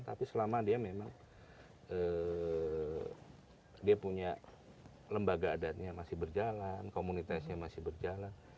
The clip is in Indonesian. tapi selama dia memang dia punya lembaga adatnya masih berjalan komunitasnya masih berjalan